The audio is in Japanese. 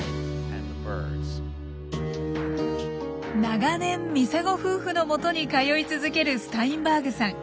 長年ミサゴ夫婦のもとに通い続けるスタインバーグさん。